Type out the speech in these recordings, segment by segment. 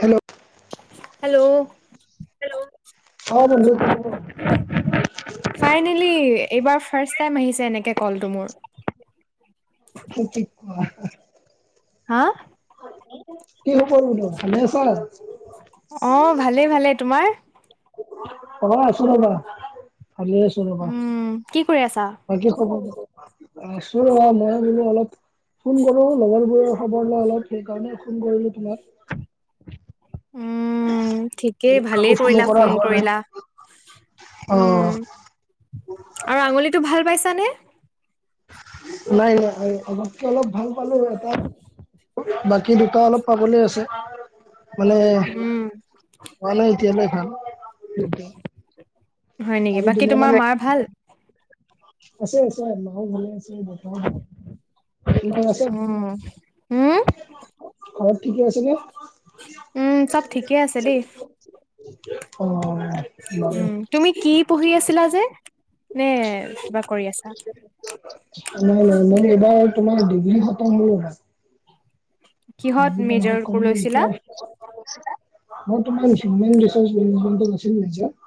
Hello hello hello অঁ বোলো ক? ফাইনেলি এইবাৰ ফাৰষ্ট টাইম আহিছে এনেকে কলটো মোৰ। সেটিক কোৱা হয়। হাঁ? কি কৰিমনো? ভালে আছা? অঁ ভালেই ভালেই, তোমাৰ? অঁ আছোঁ ৰ'বা, ভালেই আছোঁ ৰ'বা। উম কি কৰি আছা? বাকী খবৰ ক? আছোঁ ৰবা মই বোলো অলপ- ফোন কৰোঁ লগৰবোৰৰ খবৰ লওঁ অলপ, সেইকাৰণে ফোন কৰিলোঁ তোমাক। উম' ঠিক। তাকেই বোলো কাকো ভালেই ফোনো কৰিলা কৰা ফোন হোৱা নাই কৰিলা, অ উম। আৰু আঙুলিটো ভাল পাইছানে? নাই নাই, আগতকে অলপ ভাল পালো এটা। বাকী দুটা অলপ পাবলেই আছে। মানে উম, পোৱা নাই এতিয়ালৈ ভাল। হয় নেকি আৰু বাকী দুুমাহ মাহ তোমাৰ মানে- মাৰ ভাল? আছে আছে, মাও ভালে আছে দেউতাই ভালে, তোমাৰ আছে? উম উম ঘৰত ঠিকে আছেনে? উম' চব ঠিকে আছে দেই। অঁ অঁ অঁ। উম তুমি কি পঢ়ি আছিলা যে নে কিবা কৰি আছা? নাই নাই মই এইবাৰ তোমাৰ ডিগ্ৰী খতম হ'ল এইবাৰ। কিহত ডিগ্ৰী মেজৰ কমপ্লেত কৰিলা লৈছিলা এতিয়াই। মোৰ তোমাৰ human research [unintelligible]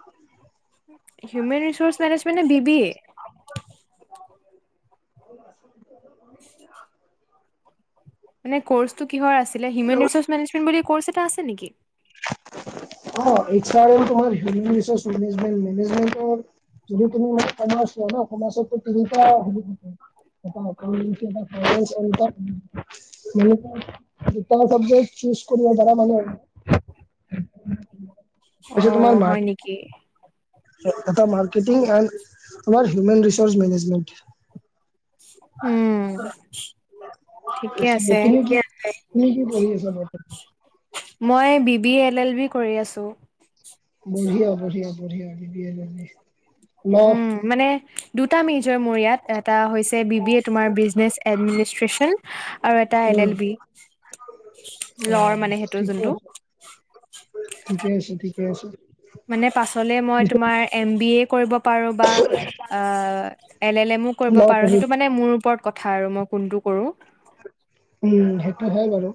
human research manage মানে বি বি এ? [unintelligible] [inaudible] মানে কৰ্চটো কিহৰ আছিলে হিউমেন ৰিচৰ্চ মেনেজমেণ বুলি কৰ্ছ এটা আছে নেকি? অঁ এইচ আৰ এল পঢ়া নি? হিউমেন ৰিচাৰ্চ মেনেজমেন মেনেজমেণ্টৰ। যদি তুমি মোক কমাৰ্চ লোৱা ন কমাচতটো তিনিটা- [unintelligible] দুটা চাব্জেকট চুজ কৰিব পাৰা মানে। পিছে তোমাৰ অ' হয় মাক- নেকি? এটা মাৰ্কেটিং এণ্ড আমাৰ হিউমেন ৰিচাৰচ মেনেজমেন্ট। হুম। ঠিকে আছে। তুমি কি তুমি কি পঢ়ি আছা বৰ্তমান? মই B B L L B কৰি আছো। বঢ়িয়া বঢ়িয়া বঢ়িয়া দিবি যদি। মক- উম, মানে দুটা মেজৰ মোৰ ইয়াত এটা হৈছে বি বি এ তোমাৰ বিজনেছ এডমিনিষ্ট্ৰেশ্যন আৰু এটা এল উম এল বি অ লৰ মানে সেইটো ঠিকে যোনটো। আছে ঠিকে আছে ঠিকে আছে। মানে পাছলে মই পিছত তোমাৰ এম বি এ কৰিব পাৰো বা আ এল এল এমো ল কৰিব পাৰো পঢ়ি সেইটো মানে মোৰ ওপৰত কথা আৰু মই কোনটো কৰো। উম সেইটো হয়ে বাৰু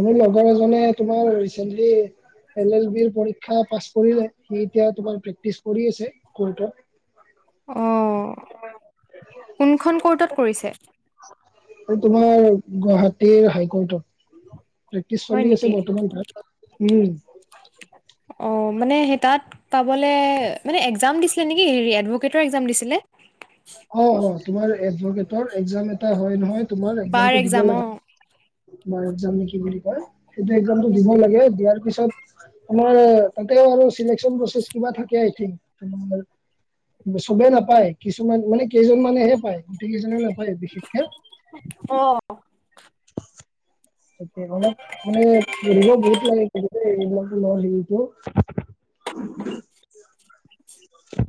মোৰ লগৰ এজনে তোমাৰ ৰিচেন্টলি এল এল বিৰ পৰীক্ষা পাছ কৰিলে সি এতিয়া তোমাৰ প্ৰেক্টিচ কৰি আছে কৰ্টত [inaudible] অ কোনখন কৰ্টত কৰিছে? এই তোমাৰ গুৱাহাটীৰ হাই কৰ্টত। প্ৰেক্টিচ হয় চলি আছে নেকি? বৰ্তমান তাত উম। অ মানে সেই তাত পাবলে মানে একজাম দিছিলে নেকি হেৰি এডভকেটৰ এক্জাম দিছিলে অ অ তোমাৰ এডভেটৰ একজাম এটা হয় নহয় তোমাৰ বাৰ একজামটো দিব এক্সাম লাগে। অ' তোমাৰ একজাম নেকি বুলি কয় সেইটো একজামটো দিব লাগে দিয়াৰ পিছত মানে তাতে আৰু চিলেকচন প্ৰচেছ কিবা থাকে আই থিংক চবেই নাপায় কিছু কিছুমান মানে কেইজনমানেহে পায় গোটেই কেইজনে নাপায় বিশেষকে অ' তাকে অলপ মানে [unintelligible] বহুত লাগে [unintelligible] এইবিলাক ল লিংটো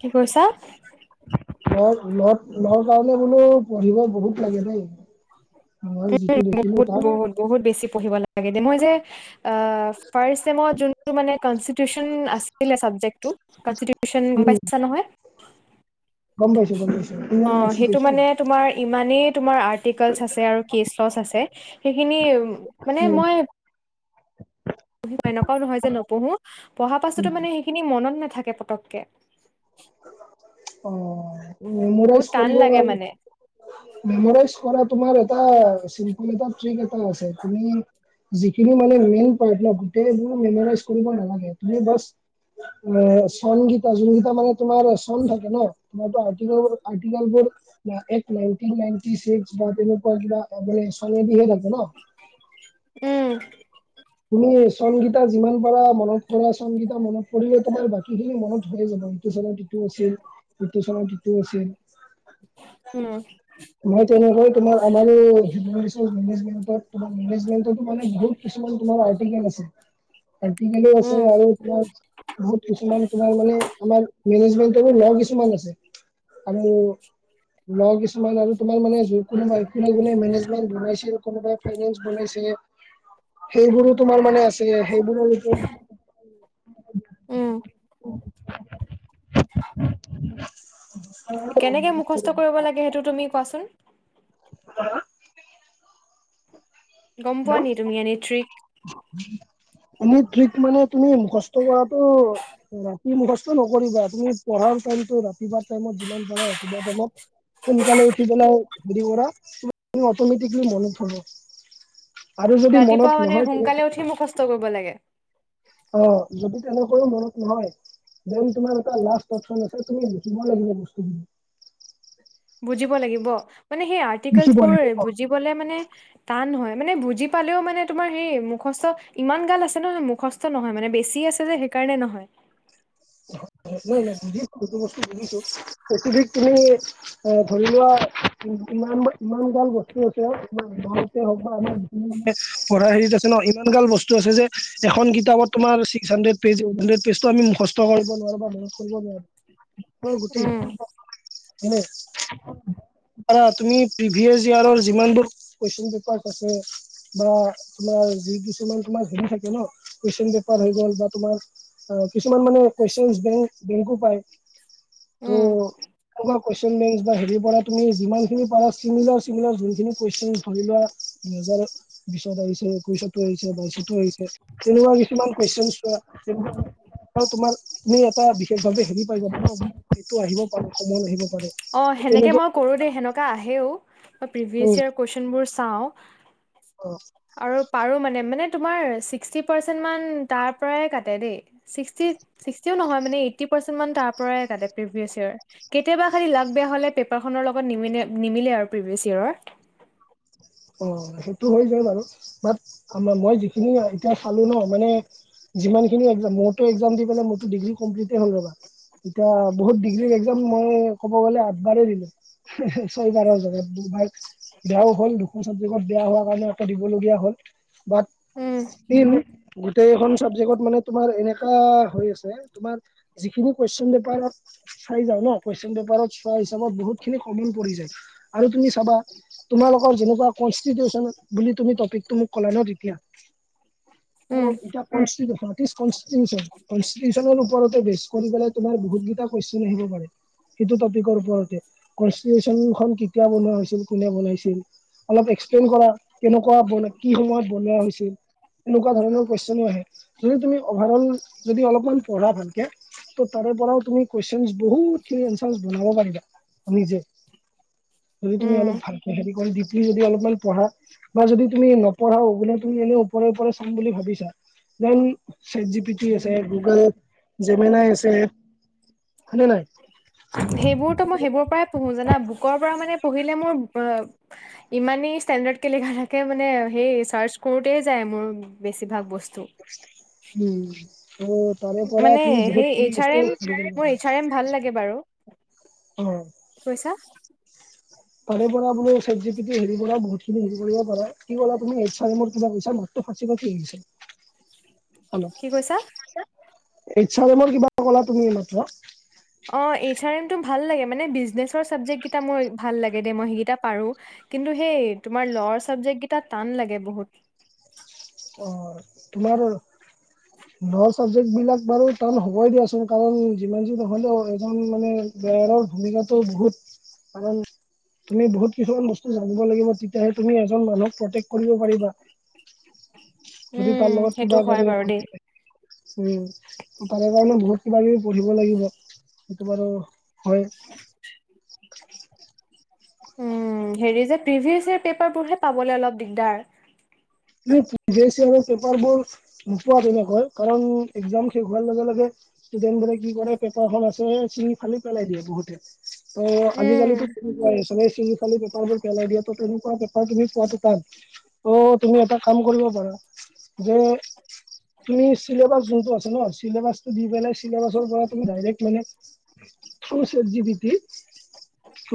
কি কৰিছা মই মই [unintelligible] বোলো পঢ়িব বহুত লাগে দেই মই যিটো দেখিলো বহুত তাই বহুত বহুত বেছি পঢ়িব লাগে দে মই যে আ ফাৰ্ষ্ট চেমত যোনটো মানে কনচিপ্ট টিচন আছিলে চাবজেক্টটোত কনচিটিশ্যন গম উম পাইছা নহয় গম পাইছো গম অ' সেইটো পাইছো [unintelligible] মানে তোমাৰ ইমানেই তোমাৰ আৰ্টিক আছে আৰু কেছৱাছ সেইখিনি মানে উম মই এনেকুৱাও নহয় যে নপঢ়ো পঢ়া উম পাছতো মানে সেইখিনি মনত নাথাকে পতককে অ বহুত মেমৰাইজ টান কৰিব লাগে বাবে মানে মেমৰাইজ কৰা তোমাৰ এটা [unintelligible] আছে তুমি যিখিন মানে মেইন পাৰ্ট ন গোটেই মেমৰাইজ কৰিবা নালাগে তুমি বছ এ চন কিতা যোনকিতা মানে তোমাৰ চন থাকে ন [unintelligible] আৰ্টিকেল বোৰ এট নাইনটি নাইনটি চিক্সৰ তেনেকুৱা কিবা অবলেচনে দিয়ে ন উম তুমি চন কিতা যিমান পাৰা মনত তোমাৰ চনকেইটা মনত পৰিলে তোমাৰ বাকীখিনি মনত হয়ে যাব ইটো চনত যিটো আছিল ইটো চনত যিটো আছিল উম মই তেনেকৈ তোমাৰ আমাৰ এই [unintelligible] মেনেজমেন্ট মেনেজমেন্টটো মানে বহুত কিছুমান তোমাৰ আৰ্টিকেল আছে আৰ্ৰটিকেলি আছে উম, আৰু তোমাৰ বহুত কিছুমান তোমাৰ মানে আমাৰ মেনেজমেন্টৰো ল কিছুমান আছে আৰু ল কিছুমান আৰু তোমাৰ মানে যোন কোনোবাই কোনে কোনে মেনেজমেণ্ট বনাইছিল কোনোবাই ফাইনেন্স বনাইছে সেইবোৰো তোমাৰ মানে আছে সেইবোৰৰ ওপৰত উম [unintelligible] কেনেকে মুখস্থ কৰিব লাগে সেইটো তুমি কোৱাচোন হা গম পোৱা নি তুমি এনেই থ্ৰিক তুমি থ্ৰীক মানে তুমি মুখস্থ কৰাতো উ মী মুখস্থ নকৰিবা তুমি পঢ়াৰ টাইমতটো ৰাতিপুৱা টাইমত যিমান পাৰা ৰাতিপুৱা টাইমত সোনকালে উঠি পেলাই হেৰি কৰা তুমি অটমেটিকলি মনত হব আৰু যদি মনত নহয় তেনে কালে উঠি মুখস্ত কৰিব লাগে অ যদি তেনেকৈও মনত নহয় দেন তোমাৰ এটা লাষ্ট অবশ্যচন আছে তুমি লিখিব লাগিব বস্তুখিনি বুজিব লাগিব মানে সেই লিখিব আৰ্টিকোলচবোৰ লাগিব বুজিবলে মানে টান নহয় মানে বুজি পালেও মানে তোমাৰ হেই মুখস্থ ইমান গাল আছে নহয় মুখছ স্ত নহয় মানে বেছি আছে যে সেইকাৰণে নহয় [unintelligible] তুমি এ ধৰি লোৱা ই ইমান ইমান গাল বস্তু এতিয়া ইমান গতে হওক বা আমাৰ উম হে পঢ়া হেৰিত আছে ন ইমান গাল বস্তু আছে যে এখন কিতাপত তোমাৰ ছিক্সাহানড্ৰে পেজ পেজটো আমি মুখছ কৰিব নোৱাৰো [unintelligible] উম, কেনে কৰা তুমি প্ৰিভিয়াছ জিয়াৰৰ যিমানবোৰ কোৱেশ্যন পেপাৰ আছে বা তোমাৰ যি কিছুমান তোমাৰ হেৰি থাকে ন কুৱেশ্যন পেপাৰ হৈ গল বা তোমাৰ অ কিছুমান মানে কুৱেশ্যন বেংক বেংকো পায় উম, ত'নেকুৱা কুৱেশ্যন বেংকছ বা হেৰি পৰা তুমি যিমানখিনি পাৰা চিমিজাৰ চিমিনাৰছ জোনখিনি কুৱেশ্যন ধৰি লোৱা মেজৰ বিশত আহিছে, একৈশতো আহিছে, বাইশতো আহিছে। তেনেকোৱা কিছুমান কুৱেশনচ বা তেনেকুৱা আপুনি এটা বিশেষ ভাৱে হেৰি পাই যাব আপোনাৰ এইটো আহিব পাৰে সময় আহিব পাৰে, ত তেনেকা কৰো দেই সেনকা আহেও বা প্ৰিভিয়াছ ইয়েৰ কুৱেশনবোৰ চাওঁ। অ আৰু পাৰো মানে মানে তোমাৰ ছিক্সটি পাৰ্চেন্টমান তাৰ পৰাই কাটে দেই। চি ছিক্সটিও নহয় মানে এইটি পাৰ্চেন্টমান তাৰ পৰাই কাটে প্ৰিভিয়ছ ইয়েৰ। কেতিয়াবা খালি লাগ বেয়া হ'লে পেপাৰখনৰ লগত নিমিলে নিমিলে আৰু প্ৰিভিয়াছ ইয়েৰৰ। অ সেইটো হৈ যায় বাৰু, বাট আ মই যিখিনি এতিয়া চালো ন মানে যিমানখিনি একজাম মোৰতো একজাম দি পেলাই মোৰতো ডিগ্ৰী কমপ্লিটেই হ'ল ৰবা। এতিয়া বহুত ডিগ্ৰী একজাম মই ক'ব গ'লে আঠবাৰে দিলো। হে হে ছয় বাৰৰ জাগাত দুবাৰ বেয়াও হ'ল দুখ খন চাবজেকত বেয়া হোৱা কাৰনে আকৌ দিব দিবলগীয়া হ'ল উম বাত ইন গোটেইখন চাবজেক্টত মানে তোমাৰ এনেকা হৈ আছে তোমাৰ যিখিনি কুৱেশন পেপাৰত চাই যাওঁ ন, কুৱেশন পেপাৰত তাৰ হিচাপত বহুতখিনি কমিন পৰি যায় আৰু তুমি চাবা তোমালোকৰ যেনেকুৱা কনষ্টিটিউচন বুলি তুমি টপিকটো মোক ক'লা ন তেতিয়া। উম এ [inaudible] কনষ্টিটিউচনৰ ওপৰতে বেচ কৰি পেলাই তোমাৰ বহুতগিটা কুৱেচন আহিব পাৰে। সেইটো টপিকৰ ওপৰতে, কনষ্টিটিউচনখন কেতিয়া বনোৱা হৈছিল, কোনে বনাইছিল? অলপ এক্সপ্লেইন কৰা, কেনেকুৱা বন কি সময়ত বনোৱা হৈছিল? এনেকুৱা ধৰণৰ কুৱেচনো আহে, যদি তুমি অভাৰঅল যদি অলপমান পঢ়া ভালকে। ত' তাৰে পৰাও তুমি কুৱেশনচ বহুতখিনি এনচাৰছ বনাব পাৰিবা নিজে। যদি তুমি অলপ উম ভালকে হেৰি কৰি দি। তুমি যদি অলপমান পঢ়া বা যদি তুমি নপঢ়াও বোলে তুমি এনে ওপৰে ওপৰে চাম বুলি ভাবিছা। Then chat G P T আছে গুগল। জেমেনাই আছে হয় নে নাই? সেইবোৰতো মই সেইবোৰৰ পৰাই পঢ়ো জানা বুকৰ পৰা মানে পঢ়িলে মোৰ বা, ইমানেই ষ্টেণ্ডাৰ্ডকে লিখা থাকে মানে সেই চাৰ্চ কৰোতে যায় মোৰ বেছিভাগ বস্তু। উম ব। তাৰে পৰা মানে তুমি সেই বহুতখিনি এইচ আৰ বস্তু এম শিকিব মোৰ এইচ আৰ এম ভাল পাৰিব, লাগে বাৰু অ। কি কৈছা? তাৰে পৰা বুলো চেট জি পি টিৰ হেৰি পৰা বহুত খিনি হেৰি কৰিব পাৰে, কি কলা তুমি এইচ আৰ এমৰ কিবা কৈছা নি? টো ফাচি ফাচি গিছে। হেল্ল'! কি কৈছা এইচ আৰ এমৰ কিবা ক'লা তুমি এই মাত্ৰ? অ এইচ আৰ এমটো ভাল লাগে মানে বিজনেচৰ চাবজেক্ট কেইটা মই ভাল লাগে দে মই সেইকেইটা পাৰো। কিন্তু সেই তোমাৰ লৱৰ ছাবজেক্টকেইটা টান লাগে বহুত। অ, তোমাৰ লৰ চাব জেক্টবিলাক বাৰু টান হ'বই দিয়াচোন কাৰণ যিমান যি নহ'লেও এজন মানে, বেৰৰ ভূমিকাটো বহুত কাৰণ, তুমি বহুত কিছুমান বস্তু জানিব লাগিব তেতিয়াহে তুমি এজন মানুহক প্ৰটেক্ট কৰিব পাৰিবা। যদি তাৰ উম, লগত সেইটো কিবা হয় গলে বাৰু ভয় দেই। থাকে। উম, তাৰে কাৰণে বহুত কিবা - কিবি পঢ়িব লাগিব। সেইটো বাৰু হয়। [inaudible] উম, হেৰি যে প্ৰিভিয়াচে পেপাৰবোৰহে পাবলৈ অলপ দিগদাৰ। তুমি প্ৰিভিয়াচ য়েৰৰ পেপাৰবোৰ নোপোৱা তেনেকৈ কাৰণ একজাম শেষ হোৱাৰ লগে লগে। ষ্টুডেণ্টবোৰে কি কৰে, পেপাৰখন আছে চিঙি ফালি পেলাই দিয়ে বহুতে। ত' উম, আজিকালিটতো তেনেকুৱাই চবে চিঙি ফালি পেপাৰবোৰ পেলাই দিয়া ত তেনেকুৱা কে অ তুমি পোৱাটো টান, ত' তুমি এটা কাম কৰিব পাৰা যে, তুমি চিলেবাছ যোনটো আছে ন, চিলেবাছটো দি পেলাই চিলেবাছ ৰ পৰা তুমি ডাইৰেক্ট মানে, চ চেট জি পি তিৰ।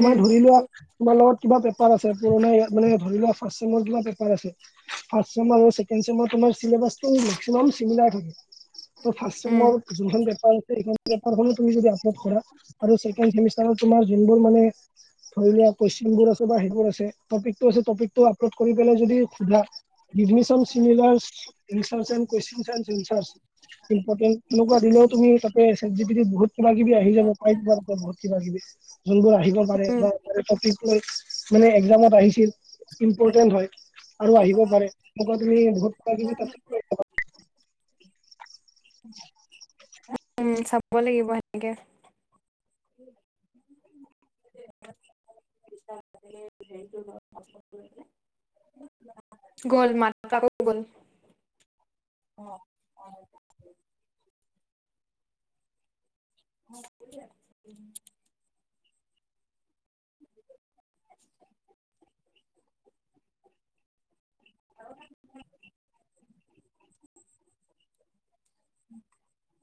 উম, ধৰি লোৱা তোমাৰ লগত কিবা পেপাৰ আছে। পুৰণা এয়া মানে ধৰি লোৱা ফাৰ্ষ্ট চেমৰ কিবা পেপাৰ আছে। ফাষ্ট চেমৰ আৰু চেকেন চেমৰ তোমাৰ চিলেবাছটো মেকচিমাম চিমিলাৰ থাকে। ত ফাষ্ট উম, চেমৰ, যোনখন পেপাৰ আছে সেইখন পেপাৰখনো তুমি যদি আপলদ কৰা। আৰু চেকেণ্ড চেমিষ্টাৰৰ তোমাৰ যোনবোৰ মানে। ধৰি লোৱা কুৱেশন বোৰ আছে বা সেইবোৰ আছে টপিক টো আছে টপিক টো আপলোড কৰি পেলাই যদি, সোধা গ্ৰেজুৱেট চন চিমিলাৰ ইনচাচেন কুৱেচন চাচন ৰিচাৰ্ছ। ইম্পৰ্টেণ্ট তেনেকুৱা দিলেও তুমি তাতে চেট জি পি টিত বহুত কিবা কিবি আহি যাব পাইখানা তাতে বহুত কিবা কিবি। জুনবোৰ আহিব পাৰে উম, বা তাৰে পতি। মানে একজামত আহিছিল ইম্পৰ্টেন্ট হয়, আৰু আহিব পাৰে। সেনেকুৱা তুমি বহুত কিবাকিবি তাতে পাই যাবা। উম চাব লাগিব সেনেকে। ৰিচাৰ্ছ থাকিলে হেৰি কৰিব পাছপত কৰি পেলাই। গ'ল মাতটো আকৌ গ'ল। [unintelligible] ধাৰণা ত বেছি ক। [unintelligible] উম [unintelligible]